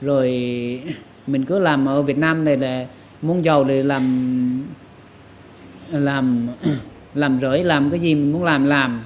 rồi mình cứ làm ở việt nam này muốn giàu thì làm rưỡi làm cái gì mình muốn làm làm